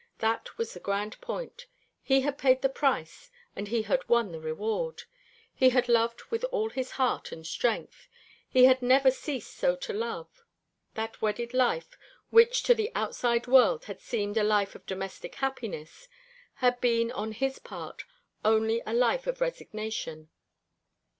That was the grand point. He had paid the price, and he had won the reward. He had loved with all his heart and strength; he had never ceased so to love. That wedded life, which to the outside world had seemed a life of domestic happiness, had been on his part only a life of resignation.